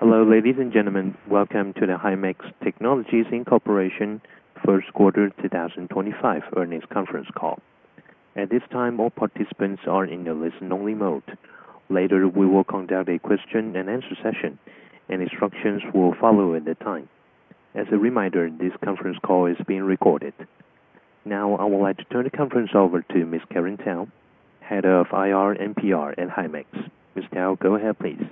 Hello, ladies and gentlemen. Welcome to the Himax Technologies Incorporation First Quarter 2025 Earnings Conference Call. At this time, all participants are in the listen-only mode. Later, we will conduct a question-and-answer session, and instructions will follow at that time. As a reminder, this conference call is being recorded. Now, I would like to turn the conference over to Ms. Karen Tiao, Head of IR and PR at Himax. Ms. Tiao, go ahead, please.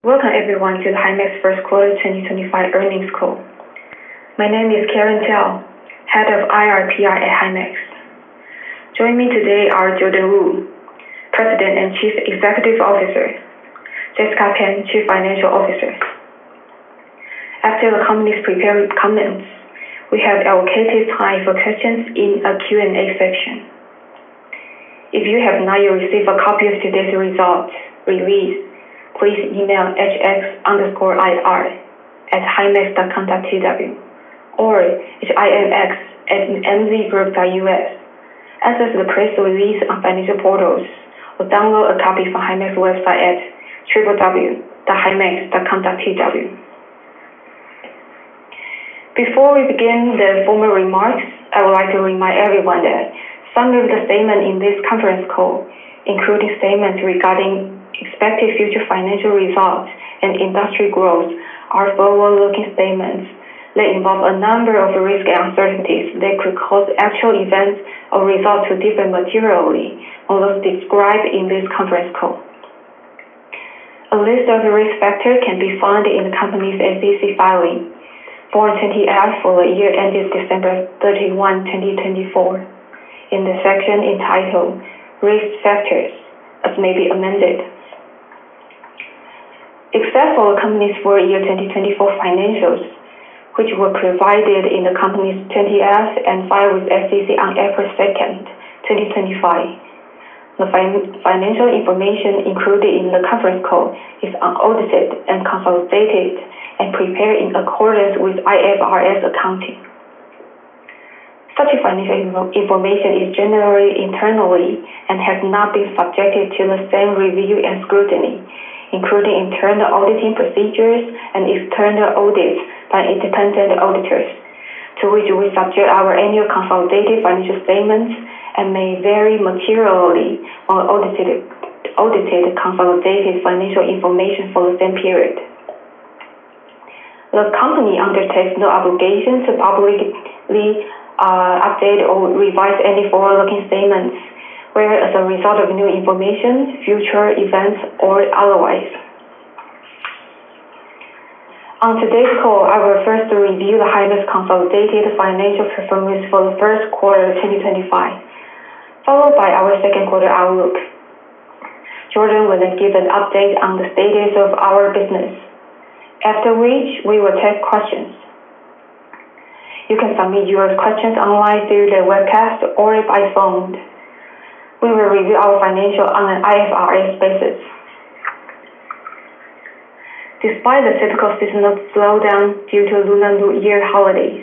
Welcome, everyone, to the Himax First Quarter 2025 Earnings Call. My name is Karen Tiao, Head of IR/PR at Himax. Joining me today are Jordan Wu, President and Chief Executive Officer; Jessica Pan, Chief Financial Officer. After the company's prepared comments, we have allocated time for questions in a Q&A section. If you have not yet received a copy of today's results release, please email hx_ir@himax.com.tw or himax@mzgroup.us. Access the press release on financial portals or download a copy from Himax's website at www.himax.com.tw. Before we begin the formal remarks, I would like to remind everyone that some of the statements in this conference call, including statements regarding expected future financial results and industry growth, are forward-looking statements that involve a number of risks and uncertainties that could cause actual events or results to differ materially from those described in this conference call. A list of risk factors can be found in the company's SEC filing Form 20-F for the year ending December 31, 2024, in the section entitled Risk Factors as May Be Amended. Except for the company's full year 2024 financials, which were provided in the company's 20-F and filed with the SEC on April 2nd, 2025, the financial information included in the conference call is unaudited and consolidated and prepared in accordance with IFRS accounting. Such financial information is generated internally and has not been subjected to the same review and scrutiny, including internal auditing procedures and external audits by independent auditors, to which we subject our annual consolidated financial statements and may vary materially on audited consolidated financial information for the same period. The company undertakes no obligation to publicly update or revise any forward-looking statements whether as a result of new information, future events, or otherwise. On today's call, I will first review the Himax consolidated financial performance for the first quarter of 2025, followed by our second quarter outlook. Jordan will then give an update on the status of our business, after which we will take questions. You can submit your questions online through the webcast or by phone. We will review our financials on an IFRS basis. Despite the typical seasonal slowdown due to Lunar New Year holidays,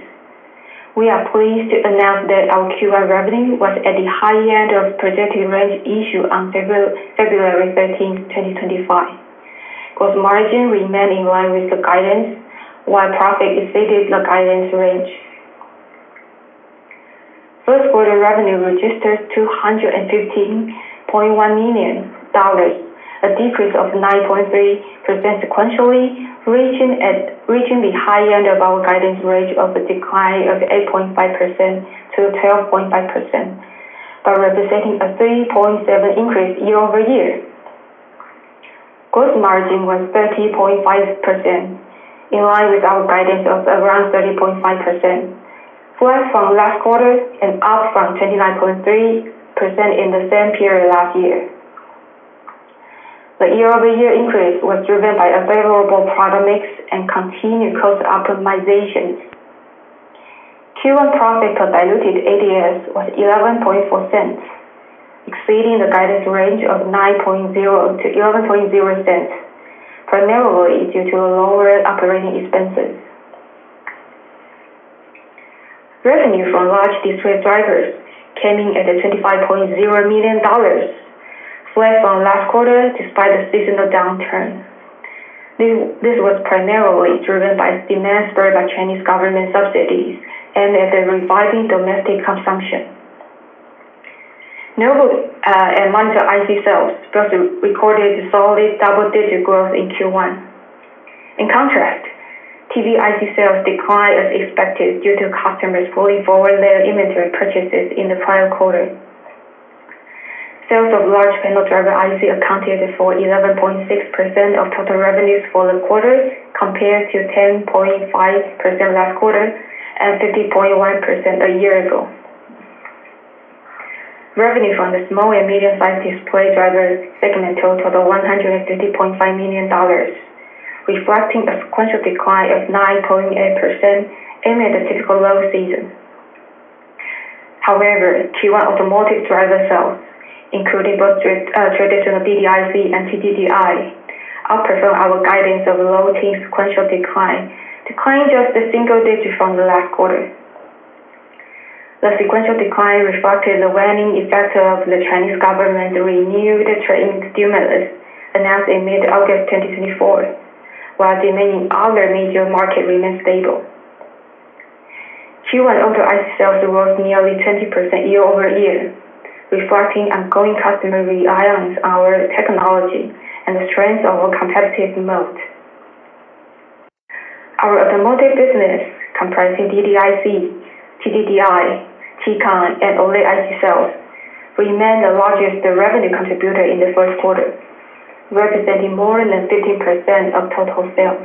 we are pleased to announce that our Q1 revenue was at the high end of projected range issued on February 13, 2025. Gross margin remained in line with the guidance, while profit exceeded the guidance range. First quarter revenue registered $215.1 million, a decrease of 9.3% sequentially, reaching the high end of our guidance range of a decline of 8.5%-12.5%, but representing a 3.7% increase year over year. Gross margin was 30.5%, in line with our guidance of around 30.5%, flat from last quarter and up from 29.3% in the same period last year. The year-over-year increase was driven by a favorable product mix and continued cost optimizations. Q1 profit per diluted ADS was $0.114, exceeding the guidance range of $0.09-$0.11, primarily due to the lower operating expenses. Revenue from large display drivers came in at $25.0 million, flat from last quarter despite the seasonal downturn. This was primarily driven by demand spurred by Chinese government subsidies and the reviving domestic consumption. Notebook and monitor IC sales both recorded solid double-digit growth in Q1. In contrast, TV IC sales declined as expected due to customers pulling forward their inventory purchases in the final quarter. Sales of large panel driver IC accounted for 11.6% of total revenues for the quarter, compared to 10.5% last quarter and 50.1% a year ago. Revenue from the small and medium-sized display drivers segment totaled $150.5 million, reflecting a sequential decline of 9.8% amid the typical low season. However, Q1 automotive driver sales, including both traditional DDIC and TDDI, outperformed our guidance of a low-teens sequential decline, declining just a single digit from the last quarter. The sequential decline reflected the waning effect of the Chinese government's renewed trade stimulus announced in mid-August 2024, while other major markets remained stable. Q1 Auto IC sales rose nearly 20% year over year, reflecting ongoing customer reliance on our technology and the strength of our competitive moat. Our automotive business, comprising DDIC, TDDI, TCON, and OLED IC sales, remained the largest revenue contributor in the first quarter, representing more than 15% of total sales.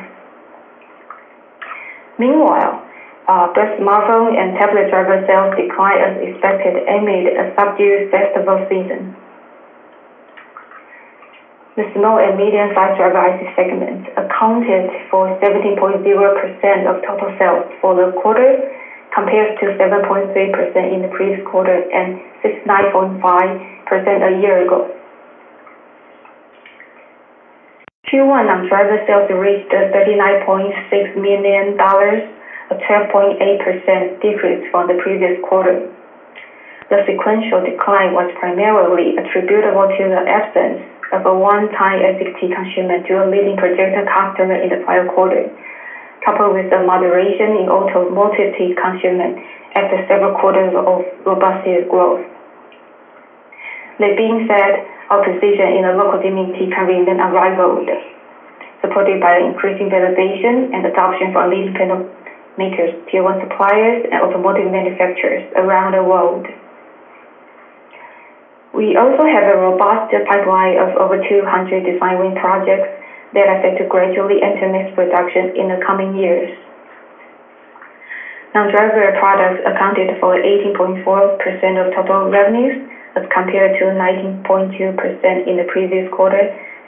Meanwhile, both smartphone and tablet driver sales declined as expected amid a subdued festival season. The small and medium-sized driver IC segment accounted for 17.0% of total sales for the quarter, compared to 7.3% in the previous quarter and 69.5% a year ago. Q1 non-driver sales reached $39.6 million, a 12.8% decrease from the previous quarter. The sequential decline was primarily attributable to the absence of a one-time SDT consumer during leading projected customer in the final quarter, coupled with the moderation in automotive consumer after several quarters of robust growth. That being said, our position in the [Local Dimming] can remain unrivaled, supported by increasing validation and adoption from leading panel makers, Tier 1 suppliers, and automotive manufacturers around the world. We also have a robust pipeline of over 200 design win projects that are set to gradually enter mass production in the coming years. Non-driver products accounted for 18.4% of total revenues, as compared to 19.2% in the previous quarter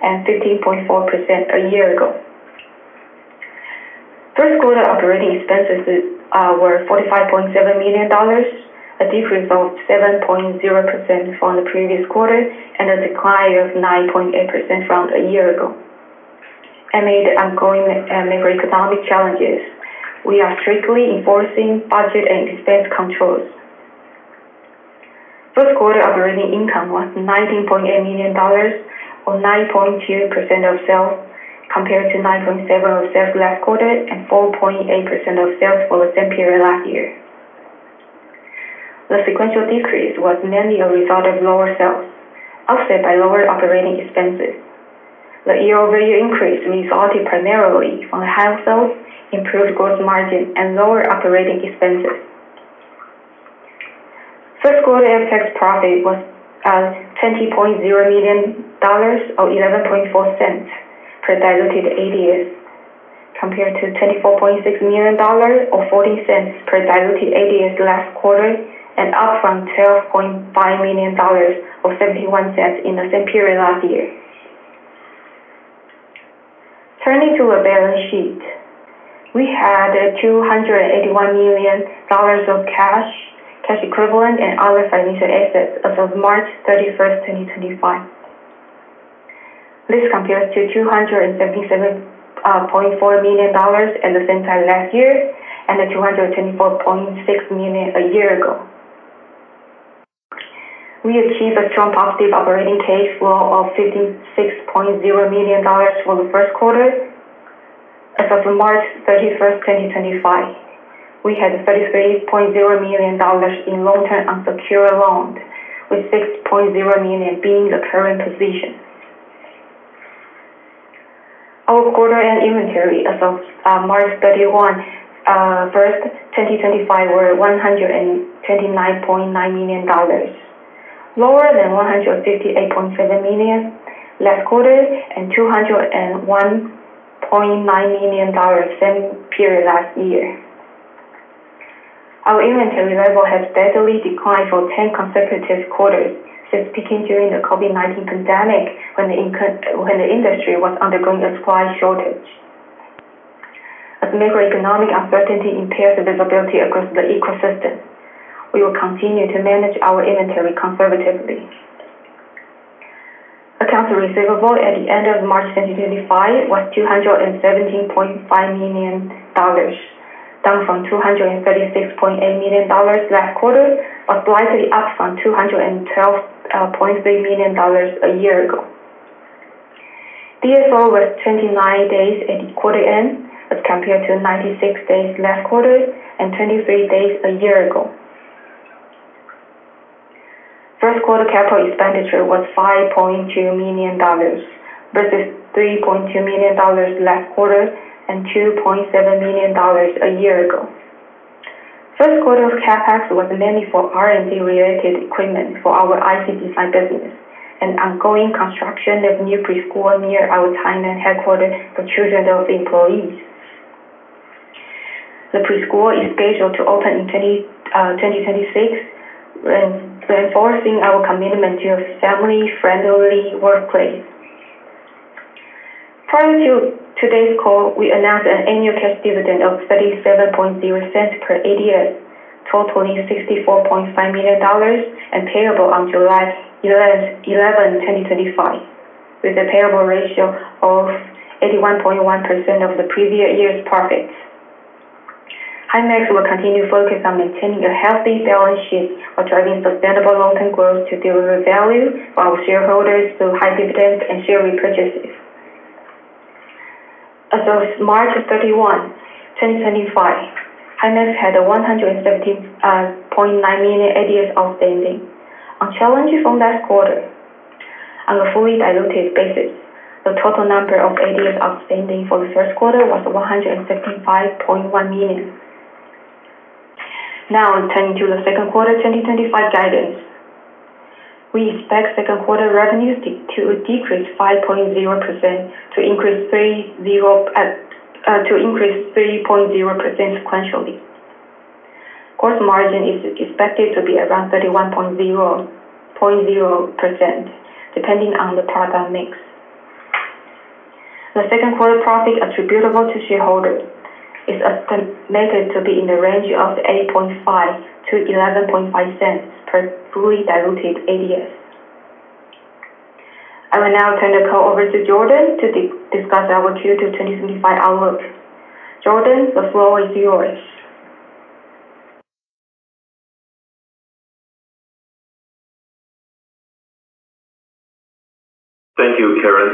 and 15.4% a year ago. First quarter operating expenses were $45.7 million, a decrease of 7.0% from the previous quarter and a decline of 9.8% from a year ago. Amid ongoing macroeconomic challenges, we are strictly enforcing budget and expense controls. First quarter operating income was $19.8 million, or 9.2% of sales, compared to 9.7% of sales last quarter and 4.8% of sales for the same period last year. The sequential decrease was mainly a result of lower sales, offset by lower operating expenses. The year-over-year increase resulted primarily from the higher sales, improved gross margin, and lower operating expenses. First quarter [FX] profit was $20.0 million, or $0.114 per diluted ADS, compared to $24.6 million, or $0.14 per diluted ADS last quarter, and up from $12.5 million, or $0.71 in the same period last year. Turning to our balance sheet, we had $281 million of cash, cash equivalent, and other financial assets as of March 31st, 2025. This compares to $277.4 million at the same time last year and $224.6 million a year ago. We achieved a strong positive operating cash flow of $56.0 million for the first quarter. As of March 31st, 2025, we had $33.0 million in long-term unsecured loans, with $6.0 million being the current position. Our quarter-end inventory as of March 31, 2025, was $129.9 million, lower than $158.7 million last quarter and $201.9 million same period last year. Our inventory level has steadily declined for 10 consecutive quarters, speaking during the COVID-19 pandemic when the industry was undergoing a supply shortage. As macroeconomic uncertainty impairs visibility across the ecosystem, we will continue to manage our inventory conservatively. Accounts receivable at the end of March 2025 was $217.5 million, down from $236.8 million last quarter, but slightly up from $212.3 million a year ago. DFO was 29 days at the quarter end, as compared to 96 days last quarter and 23 days a year ago. First quarter capital expenditure was $5.2 million versus $3.2 million last quarter and $2.7 million a year ago. First quarter of CapEx was mainly for R&D-related equipment for our IC design business and ongoing construction of new preschool near our China headquarters for children of employees. The preschool is scheduled to open in 2026, reinforcing our commitment to a family-friendly workplace. Prior to today's call, we announced an annual cash dividend of $0.37 per ADS, totaling $64.5 million, and payable on July 11, 2025, with a payable ratio of 81.1% of the previous year's profits. Himax will continue to focus on maintaining a healthy balance sheet while driving sustainable long-term growth to deliver value for our shareholders through high dividends and share repurchases. As of March 31, 2025, Himax had 117.9 million ADS outstanding, a challenge from last quarter. On a fully diluted basis, the total number of ADS outstanding for the first quarter was 175.1 million. Now, turning to the second quarter 2025 guidance, we expect second quarter revenues to decrease 5.0% to increase 3.0% sequentially. Gross margin is expected to be around 31.0%, depending on the product mix. The second quarter profit attributable to shareholders is estimated to be in the range of $0.085-$0.115 per fully diluted ADS. I will now turn the call over to Jordan to discuss our Q2 2025 outlook. Jordan, the floor is yours. Thank you, Karen.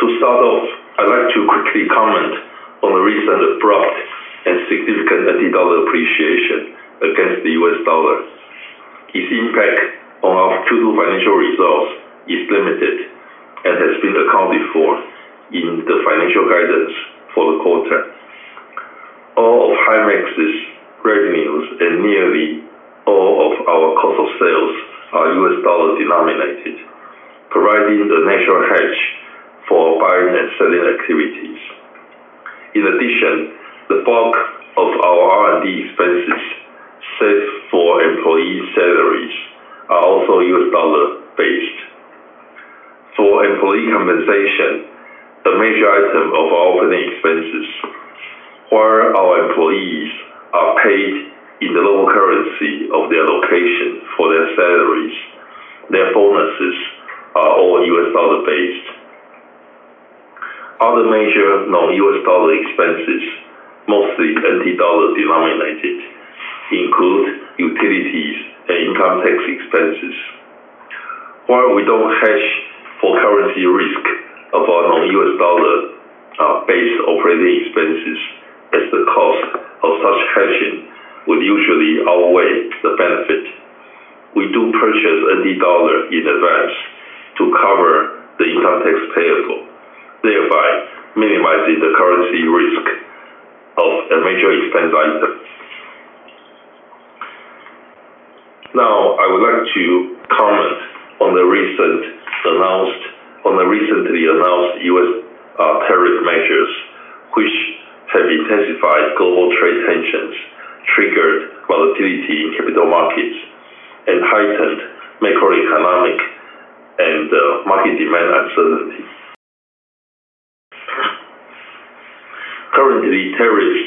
To start off, I'd like to quickly comment on the recent abrupt and significant NT dollar appreciation against the US dollar. Its impact on our Q2 financial results is limited and has been accounted for in the financial guidance for the quarter. All of Himax's revenues and nearly all of our cost of sales are U.S. dollar denominated, providing a natural hedge for buying and selling activities. In addition, the bulk of our R&D expenses set for employee salaries are also U.S. dollar based. For employee compensation, the major item of our operating expenses where our employees are paid in the local currency of their location for their salaries, their bonuses are all U.S. dollar based. Other major non-U.S. dollar expenses, mostly NT dollar denominated, include utilities and income tax expenses. While we do not hedge for currency risk of our non-U.S. dollar based operating expenses, as the cost of such hedging would usually outweigh the benefit, we do purchase NT dollar in advance to cover the income tax payable, thereby minimizing the currency risk of a major expense item. Now, I would like to comment on the recently announced U.S. tariff measures, which have intensified global trade tensions, triggered volatility in capital markets, and heightened macroeconomic and market demand uncertainty. Currently, tariffs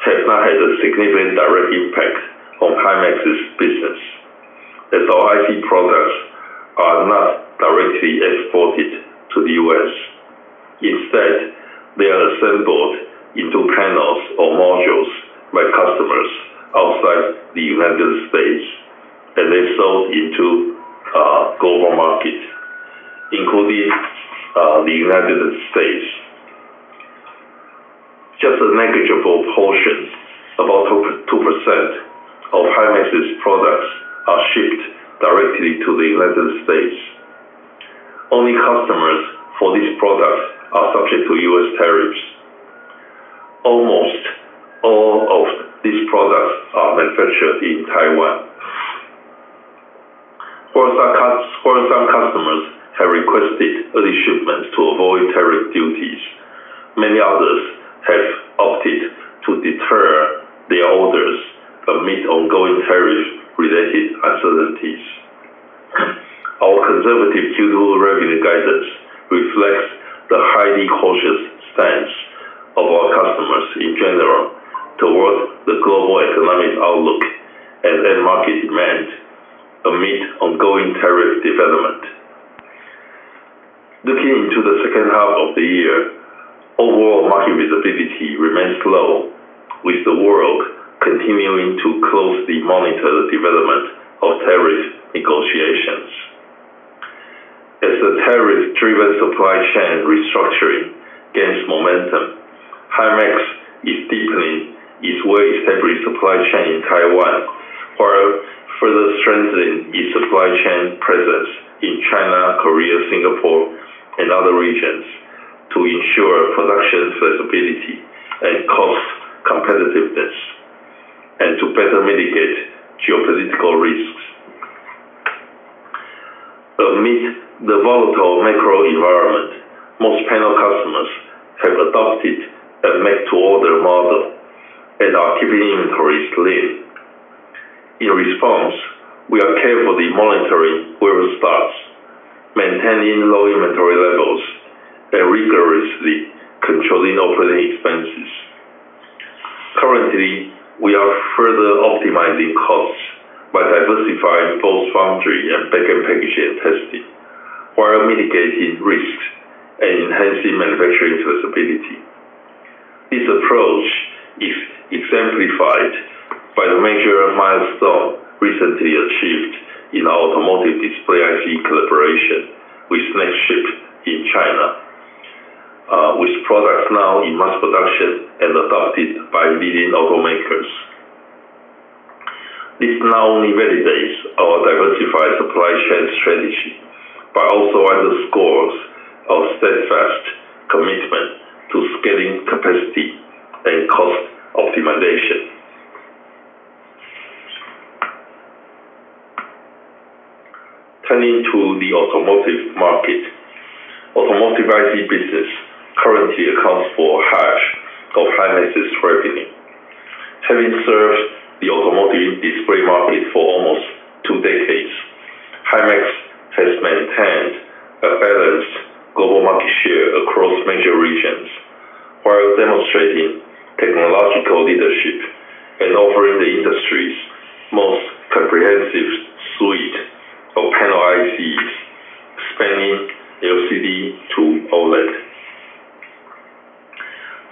have not had a significant direct impact on Himax's business, as our IC products are not directly exported to the U.S. Instead, they are assembled into panels or modules by customers outside the United States, and they're sold into global markets, including the United States. Just a negligible portion, about 2%, of Himax's products are shipped directly to the United States. Only customers for these products are subject to U.S. tariffs. Almost all of these products are manufactured in Taiwan. While some customers have requested early shipments to avoid tariff duties, many others have opted to defer their orders amid ongoing tariff-related uncertainties. Our conservative Q2 revenue guidance reflects the highly cautious stance of our customers in general toward the global economic outlook and market demand amid ongoing tariff development. Looking into the second half of the year, overall market visibility remains low, with the world continuing to closely monitor the development of tariff negotiations. As the tariff-driven supply chain restructuring gains momentum, Himax is deepening its well-stabilized supply chain in Taiwan, while further strengthening its supply chain presence in China, Korea, Singapore, and other regions to ensure production flexibility and cost competitiveness, and to better mitigate geopolitical risks. Amid the volatile macro environment, most panel customers have adopted a make-to-order model and are keeping inventories lean. In response, we are carefully monitoring [wafer stocks], maintaining low inventory levels, and rigorously controlling operating expenses. Currently, we are further optimizing costs by diversifying both foundry and back-end packaging and testing, while mitigating risks and enhancing manufacturing flexibility. This approach is exemplified by the major milestone recently achieved in our automotive display IC collaboration with Nexchip in China, with products now in mass production and adopted by leading automakers. This not only validates our diversified supply chain strategy, but also underscores our steadfast commitment to scaling capacity and cost optimization. Turning to the automotive market, automotive IC business currently accounts for half of Himax's revenue. Having served the automotive display market for almost two decades, Himax has maintained a balanced global market share across major regions, while demonstrating technological leadership and offering the industry's most comprehensive suite of panel ICs, spanning LCD to OLED.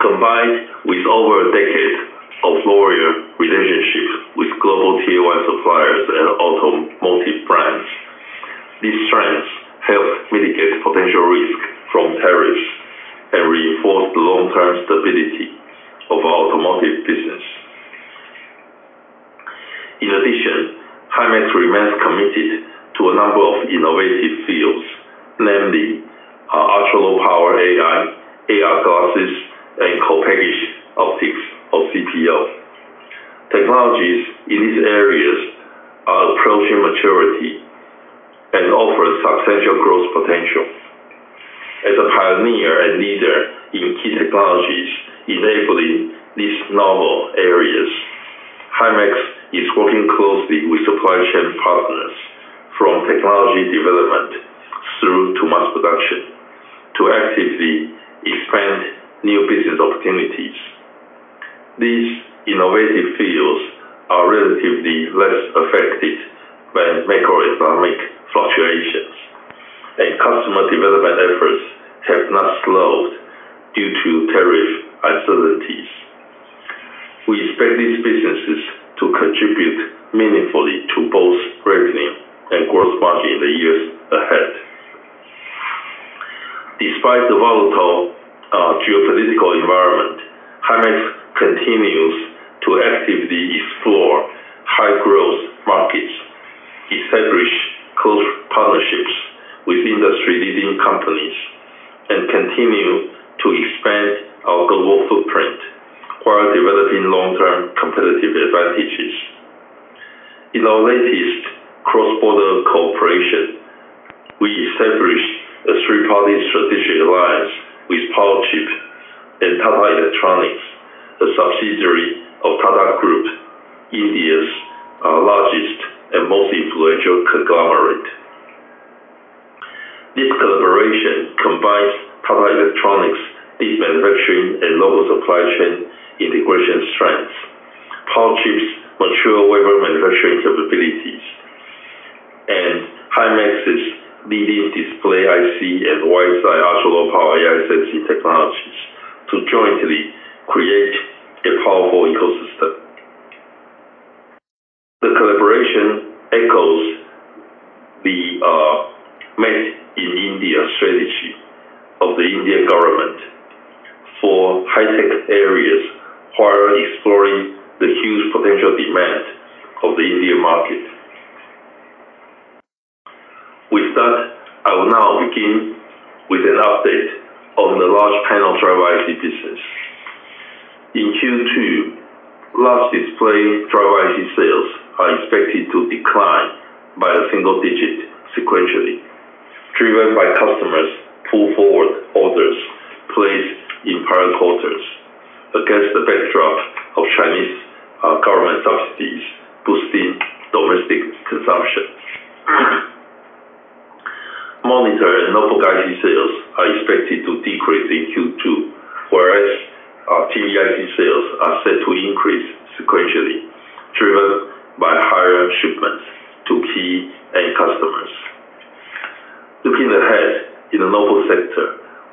Combined with over a decade of loyal relationships with global tier-one suppliers and automotive brands, these strengths help mitigate potential risk from tariffs and reinforce the long-term stability of our automotive business. In addition, Himax remains committed to a number of innovative fields, namely ultralow power AI, AR glasses, and co-packaged optics or CPO. Technologies in these areas are approaching maturity and offer substantial growth potential. As a pioneer and leader in key technologies enabling these novel areas, Himax is working closely with supply chain partners from technology development through to mass production to actively expand new business opportunities. These innovative fields are relatively less affected by macroeconomic fluctuations, and customer development efforts have not slowed due to tariff uncertainties. We expect these businesses to contribute meaningfully to both revenue and gross margin in the years ahead. Despite the volatile geopolitical environment, Himax continues to actively explore high-growth markets, establish close partnerships with industry-leading companies, and continue to expand our global footprint while developing long-term competitive advantages. In our latest cross-border cooperation, we established a three-party strategic alliance with Powerchip and Tata Electronics, a subsidiary of Tata Group, India's largest and most influential conglomerate. This collaboration combines Tata Electronics' deep manufacturing and local supply chain integration strengths, Powerchip's mature wafer manufacturing capabilities, and Himax's leading display IC and ultralow power AI sensing technologies to jointly create a powerful ecosystem. The collaboration echoes the Made in India strategy of the Indian government for high-tech areas while exploring the huge potential demand of the Indian market. With that, I will now begin with an update on the large panel driver IC business. In Q2, large display driver IC sales are expected to decline by a single digit sequentially, driven by customers' pull-forward orders placed in prior quarters against the backdrop of Chinese government subsidies boosting domestic consumption. Monitor and notebook IC sales are expected to decrease in Q2, whereas TV IC sales are set to increase sequentially, driven by higher shipments to key end customers. Looking ahead in the notebook sector,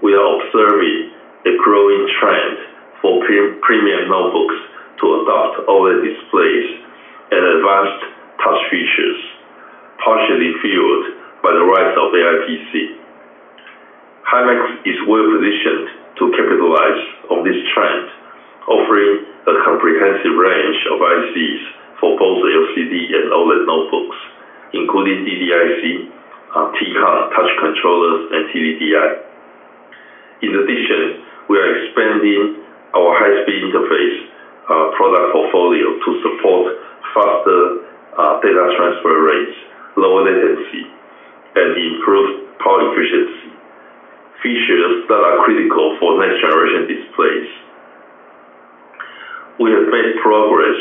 we are observing a growing trend for premium notebooks to adopt OLED displays and advanced touch features, partially fueled by the rise of AI PC. Himax is well positioned to capitalize on this trend, offering a comprehensive range of ICs for both LCD and OLED notebooks, including TDIC, TCON, touch controllers, and [DDIC]. In addition, we are expanding our high-speed interface product portfolio to support faster data transfer rates, lower latency, and improved power efficiency features that are critical for next-generation displays. We have made progress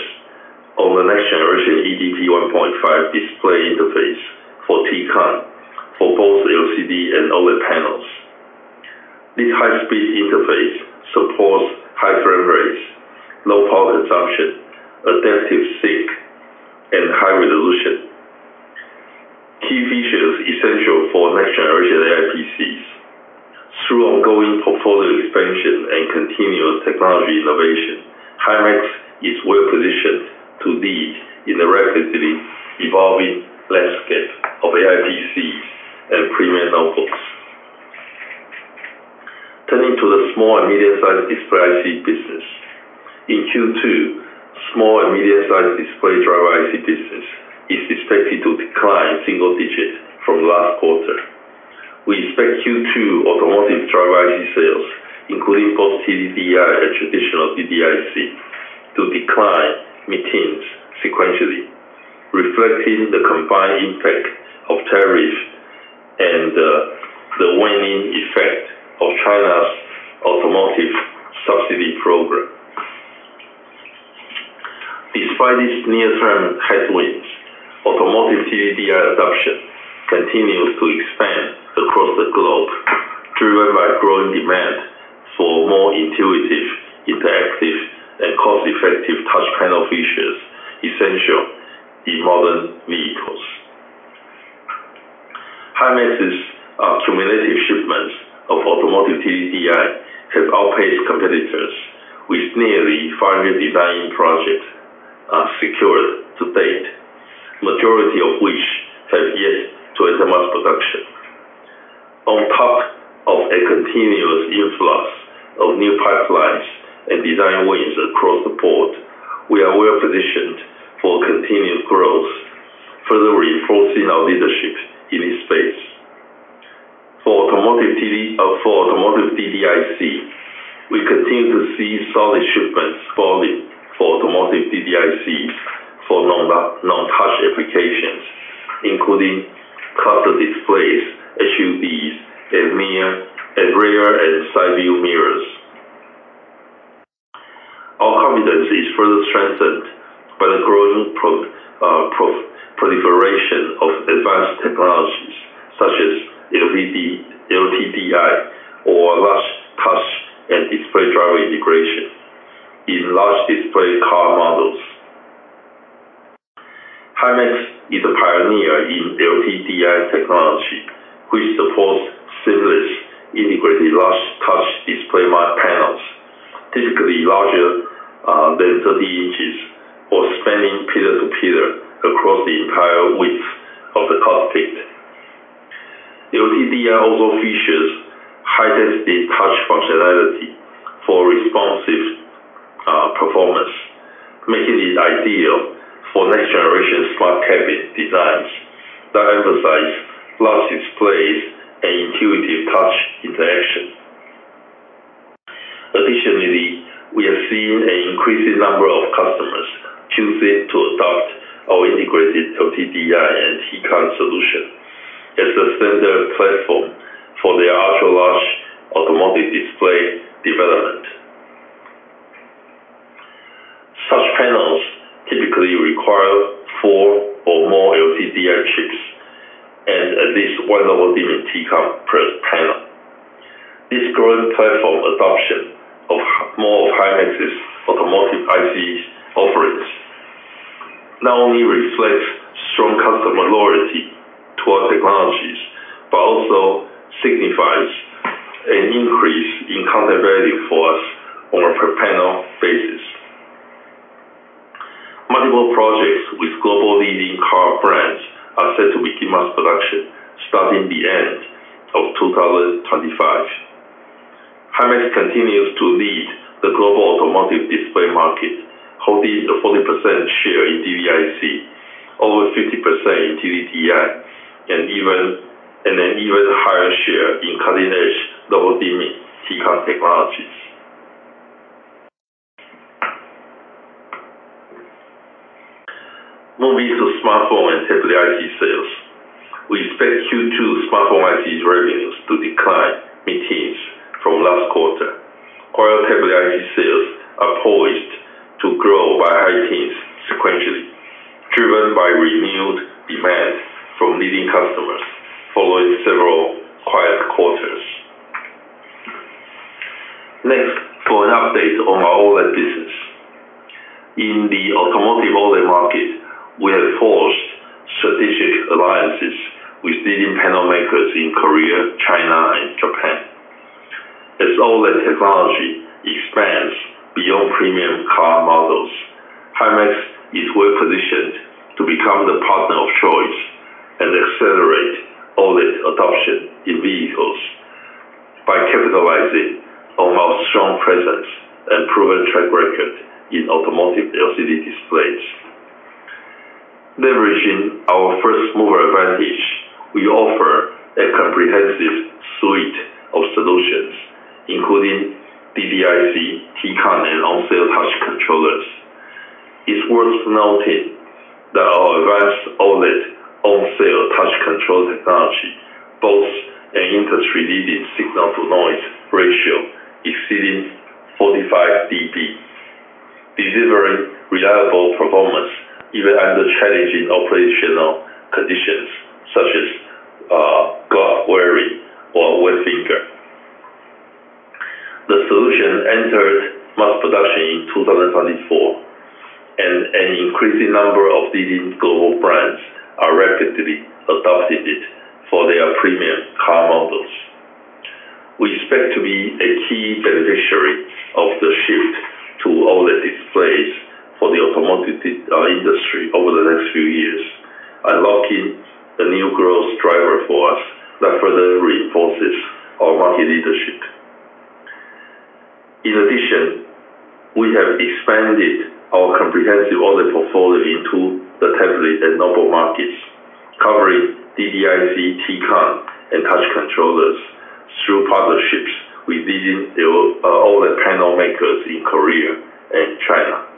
on the next-generation eDP 1.5 display interface for TCON for both LCD and OLED panels. This high-speed interface supports high frame rates, low power consumption, adaptive sync, and high resolution, key features essential for next-generation AI PCs. Through ongoing portfolio expansion and continuous technology innovation, Himax is well positioned to lead in the rapidly evolving landscape of AI PCs and premium notebooks. Turning to the small and medium-sized display IC business. In Q2, small and medium-sized display driver IC business is expected to decline single digit from last quarter. We expect Q2 automotive driver IC sales, including both TDDI and traditional TDIC, to decline [materially] sequentially, reflecting the combined impact of tariffs and the waning effect of China's automotive subsidy program. Despite these near-term headwinds, automotive TDDI adoption continues to expand across the globe, driven by growing demand for more intuitive, interactive, and cost-effective touch panel features essential in modern vehicles. Himax's cumulative shipments of automotive TDDI have outpaced competitors, with nearly 500 design projects secured to date, the majority of which have yet to enter mass production. On top of a continuous influx of new pipelines and design wins across the board, we are well positioned for continued growth, further reinforcing our leadership in this space. For automotive TDIC, we continue to see solid shipments. Portfolio for automotive TDIC for non-touch applications, including cluster displays, SUVs, and rear and side-view mirrors. Our confidence is further strengthened by the growing proliferation of advanced technologies such as LTDI or Large Touch and Display Driver Integration in large display car models. Himax is a pioneer in LTDI technology, which supports seamless integrated large touch display panels, typically larger than 30 in or spanning pillar to pillar across the entire width of the cockpit. LTDI also features High-Density Touch Functionality for responsive performance, making it ideal for next-generation smart cabin designs that emphasize large displays and intuitive touch interaction. Additionally, we have seen an increasing number of customers choosing to adopt our integrated LTDI and TCON solution as a standard platform for their ultra-large automotive display development. Such panels typically require four or more LTDI chips and at least one local dimmed TCON panel. This growing platform adoption of more of Himax's automotive IC offerings not only reflects strong customer loyalty to our technologies but also signifies an increase in counter-value for us on a per-panel basis. Multiple projects with global leading car brands are set to begin mass production starting the end of 2025. Himax continues to lead the global automotive display market, holding a 40% share in TDIC, over 50% in TDDI, and an even higher share in cutting-edge double-dimmed TCON technologies. Moving to smartphone and tablet IC sales, we expect Q2 smartphone IC revenues to decline in teens from last quarter. While tablet IC sales are poised to grow by high teens sequentially, driven by renewed demand from leading customers following several quiet quarters. Next, for an update on our OLED business. In the automotive OLED market, we have forged strategic alliances with leading panel makers in Korea, China, and Japan. As OLED technology expands beyond premium car models, Himax is well positioned to become the partner of choice and accelerate OLED adoption in vehicles by capitalizing on our strong presence and proven track record in automotive LCD displays. Leveraging our first-mover advantage, we offer a comprehensive suite of solutions, including TDIC, TCON, and on-cell touch controllers. It's worth noting that our advanced OLED on-cell touch control technology boasts an industry-leading signal-to-noise ratio exceeding 45 dB, delivering reliable performance even under challenging operational conditions such as glove wearing or wet finger. The solution entered mass production in 2024, and an increasing number of leading global brands are rapidly adopting it for their premium car models. We expect to be a key beneficiary of the shift to OLED displays for the automotive industry over the next few years, unlocking a new growth driver for us that further reinforces our market leadership. In addition, we have expanded our comprehensive OLED portfolio into the tablet and notebook markets, covering TDIC, TCON, and touch controllers through partnerships with leading OLED panel makers in Korea and China.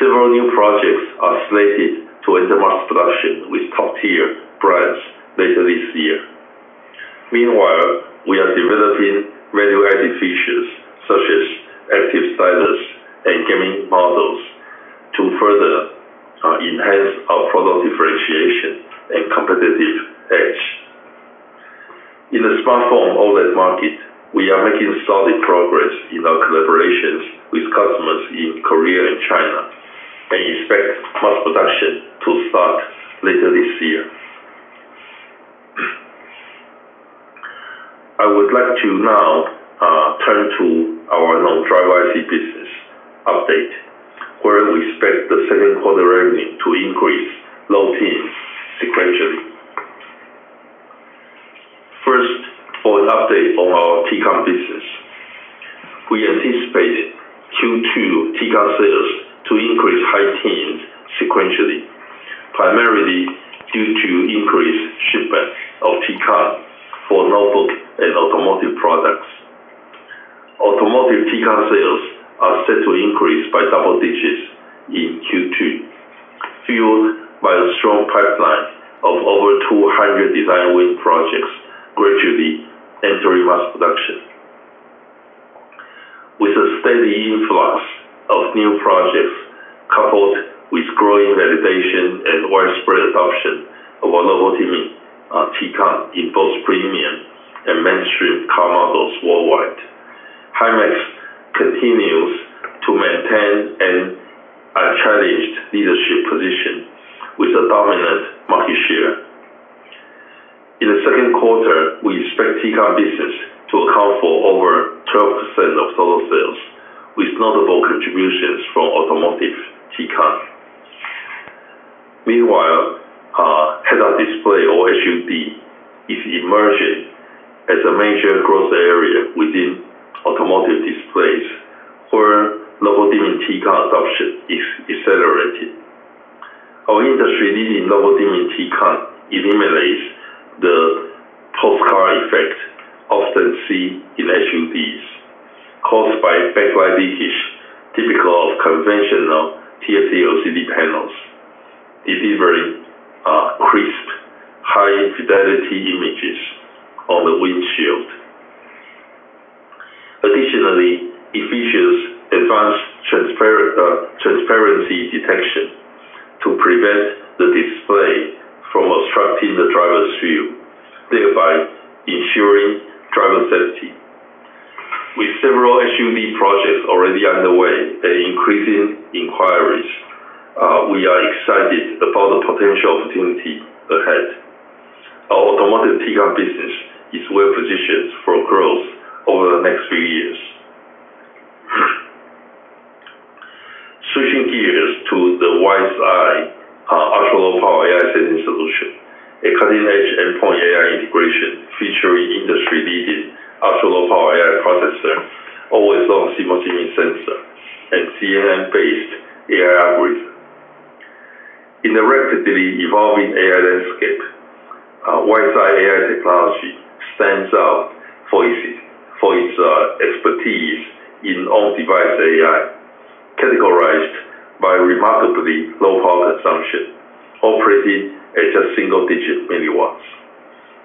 Several new projects are slated to enter mass production with top-tier brands later this year. Meanwhile, we are developing innovative features such as active stylus and gaming models to further enhance our product differentiation and competitive edge. In the smartphone OLED market, we are making solid progress in our collaborations with customers in Korea and China and expect mass production to start later this year. I would like to now turn to our driver IC business update, where we expect the second quarter revenue to increase low teens sequentially. First, for an update on our TCON business, we anticipate Q2 TCON sales to increase high teens sequentially, primarily due to increased shipment of TCON for notebook and automotive products. Automotive TCON sales are set to increase by double digits in Q2, fueled by a strong pipeline of over 200 design win projects gradually entering mass production. With a steady influx of new projects coupled with growing validation and widespread adoption of our local dimmed TCON in both premium and mainstream car models worldwide, Himax continues to maintain a challenged leadership position with a dominant market share. In the second quarter, we expect TCON business to account for over 12% of total sales, with notable contributions from automotive TCON. Meanwhile, head-up display or HUD is emerging as a major growth area within automotive displays where local dimmed TCON adoption is accelerated. Our industry leading local dimming TCON eliminates the post-car effect often seen in HUDs caused by backlight leakage typical of conventional TFT LCD panels, delivering crisp high fidelity images on the windshield. Additionally, it features advanced transparency detection to prevent the display from obstructing the driver's view, thereby ensuring driver safety. With several HUD projects already underway and increasing inquiries, we are excited about the potential opportunity ahead. Our automotive TCON business is well positioned for growth over the next few years. Switching gears to the WiseEye ultra-low-power AI sensing solution, a cutting-edge endpoint AI integration featuring industry-leading ultra-low-power AI processor, always-on signal-dimmed sensor, and CNN-based AI algorithm. In the rapidly evolving AI landscape, WiseEye AI technology stands out for its expertise in on-device AI, categorized by remarkably low power consumption, operating at just single-digit milliwatts,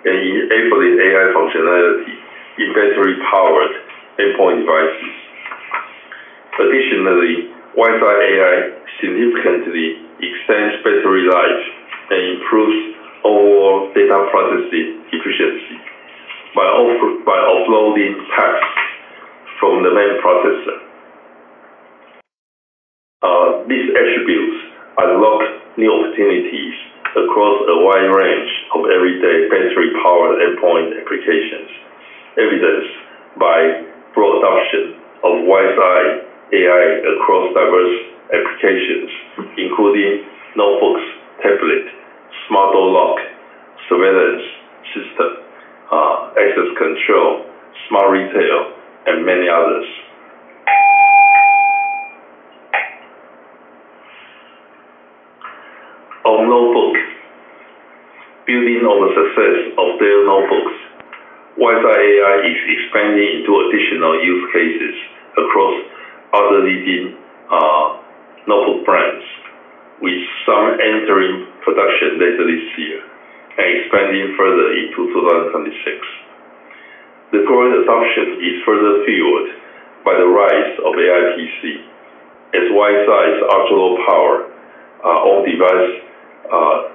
and enabling AI functionality in battery-powered endpoint devices. Additionally, WiseEye AI significantly extends battery life and improves overall data processing efficiency by offloading tasks from the main processor. These attributes unlock new opportunities across a wide range of everyday battery-powered endpoint applications, evidenced by broad adoption of WiseEye AI across diverse applications, including notebooks, tablets, smart door locks, surveillance systems, access control, smart retail, and many others. On notebooks, building on the success of their notebooks, WiseEye AI is expanding into additional use cases across other leading notebook brands, with some entering production later this year and expanding further into 2026. The growing adoption is further fueled by the rise of AI PC, as WiseEye's ultra low power on-device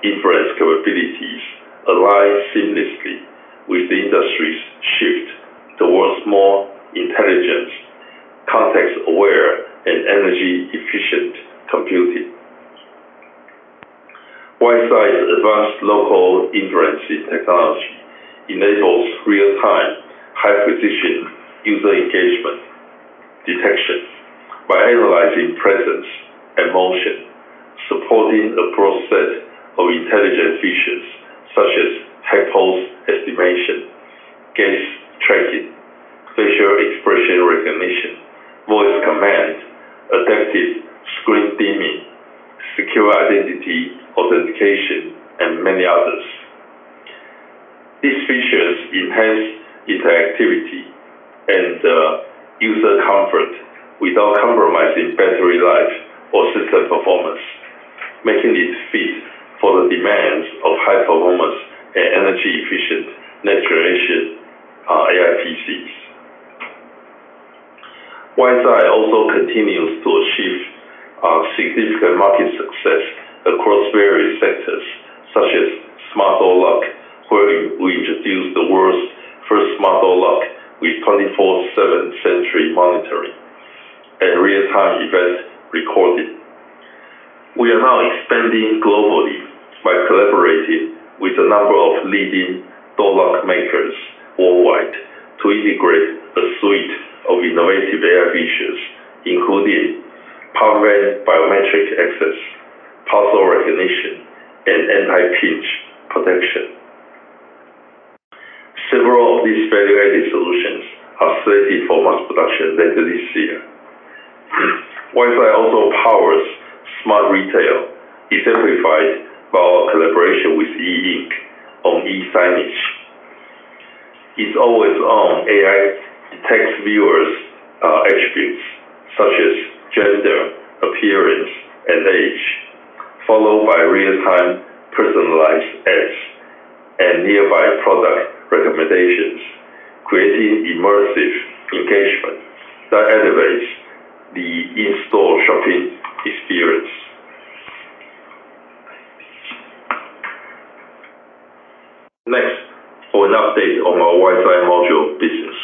inference capabilities align seamlessly with the industry's shift towards more intelligent, context-aware, and energy-efficient computing. WiseEye's advanced local inference technology enables real-time high-precision user engagement detection by analyzing presence and motion, supporting a broad set of intelligent features such as head pose estimation, gaze tracking, facial expression recognition, voice command, adaptive screen dimmed, secure identity authentication, and many others. These features enhance interactivity and user comfort without compromising battery life or system performance, making it fit for the demands of high-performance and energy-efficient next-generation AI PCs. WiseEye also continues to achieve significant market success across various sectors such as smart door lock, where we introduced the world's first smart door lock with 24/7 sensory monitoring and real-time event recording. We are now expanding globally by collaborating with a number of leading door lock makers worldwide to integrate a suite of innovative AI features, including power bank biometric access, parcel recognition, and anti-pinch protection. Several of these value-added solutions are slated for mass production later this year. WiseEye also powers smart retail, exemplified by our collaboration with E Ink on eSignage. Its always-on AI detects viewers' attributes such as gender, appearance, and age, followed by real-time personalized ads and nearby product recommendations, creating immersive engagement that elevates the in-store shopping experience. Next, for an update on our WiseEye module business.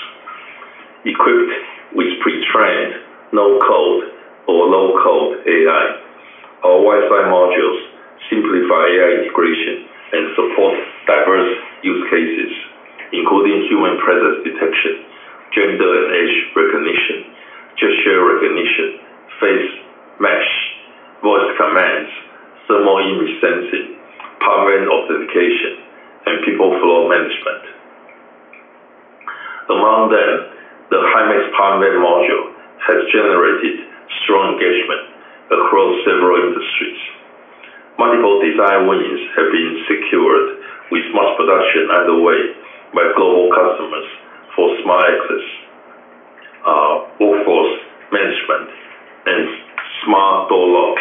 Equipped with pre-trained no-code or low-code AI, our WiseEye modules simplify AI integration and support diverse use cases, including human presence detection, gender and age recognition, gesture recognition, face mesh, voice commands, thermal image sensing, power bank authentication, and people flow management. Among them, the Himax power bank module has generated strong engagement across several industries. Multiple design wins have been secured with mass production underway by global customers for smart access, workforce management, and smart door lock,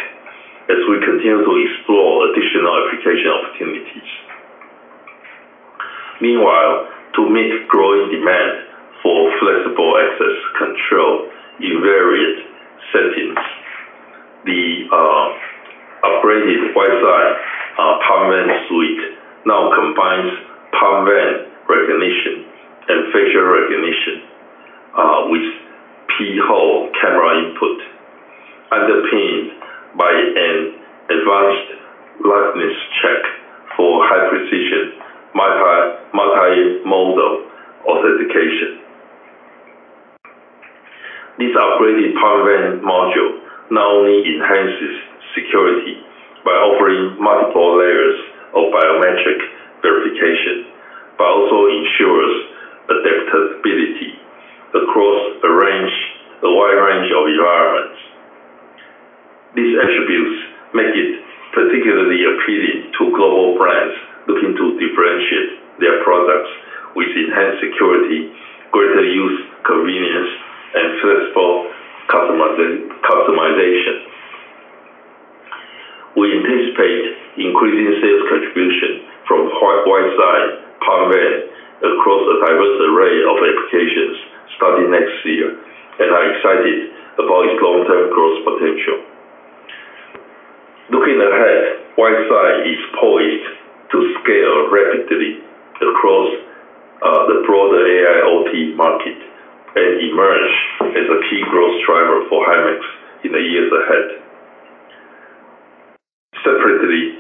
as we continue to explore additional application opportunities. Meanwhile, to meet growing demand for flexible access control in various settings, the upgraded WiseEye power bank suite now combines power bank recognition and facial recognition with pinhole camera input, underpinned by an advanced likeness check for high-precision multimodal authentication. This upgraded power bank module not only enhances security by offering multiple layers of biometric verification but also ensures adaptability across a wide range of environments. These attributes make it particularly appealing to global brands looking to differentiate their products with enhanced security, greater use convenience, and flexible customization. We anticipate increasing sales contribution from WiseEye power bank across a diverse array of applications starting next year and are excited about its long-term growth potential. Looking ahead, WiseEye is poised to scale rapidly across the broader AIoT market and emerge as a key growth driver for Himax in the years ahead. Separately,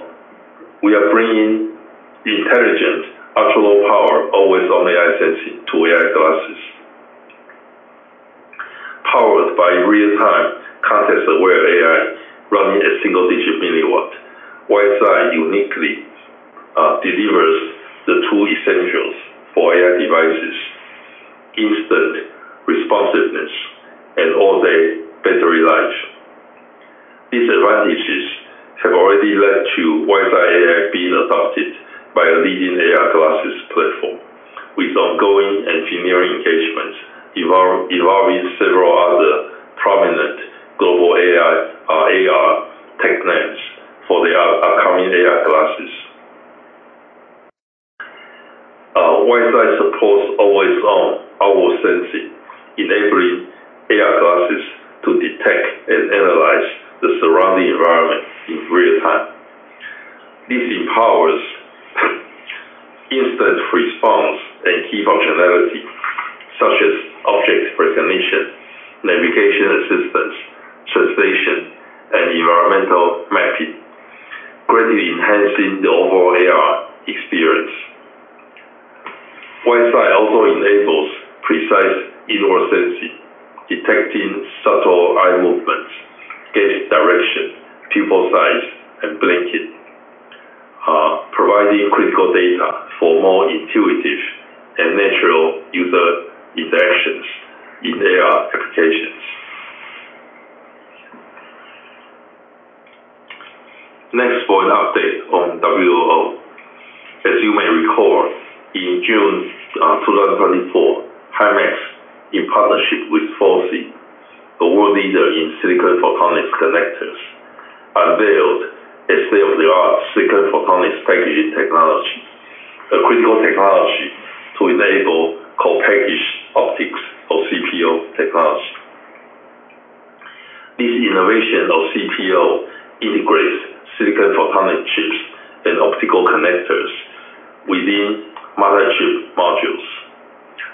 we are bringing intelligent ultra low power always-on AI sensing to AI glasses. Powered by real-time context-aware AI running at single digit milliwatts, WiseEye uniquely delivers the two essentials for AI devices: instant responsiveness and all-day battery life. These advantages have already led to WiseEye AI being adopted by a leading AI glasses platform, with ongoing engineering engagements involving several other prominent global AI tech names for their upcoming AI glasses. WiseEye supports always-on sensing, enabling AI glasses to detect and analyze the surrounding environment in real time. This empowers instant response and key functionality such as object recognition, navigation assistance, translation, and environmental mapping, greatly enhancing the overall AI experience. WiseEye also enables precise indoor sensing, detecting subtle eye movements, gaze direction, pupil size, and blinking, providing critical data for more intuitive and natural user interactions in AI applications. Next, for an update on WOO. As you may recall, in June 2024, Himax, in partnership with FOCI, a world leader in silicon photonics connectors, unveiled a state-of-the-art silicon photonics packaging technology, a critical technology to enable co-packaged optics or CPO technology. This innovation of CPO integrates silicon photonic chips and optical connectors within mother chip modules,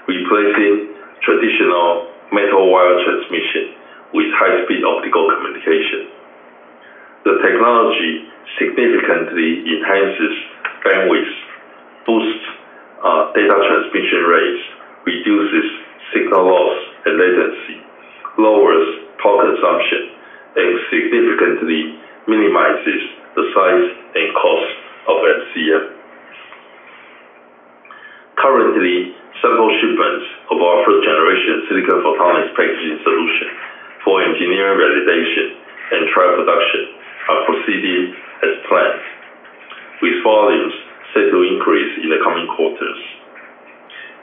replacing traditional metal-wire transmission with high-speed optical communication. The technology significantly enhances bandwidth, boosts data transmission rates, reduces signal loss and latency, lowers power consumption, and significantly minimizes the size and cost of FCF. Currently, sample shipments of our first-generation silicon photonics packaging solution for engineering validation and trial production are proceeding as planned, with volumes set to increase in the coming quarters.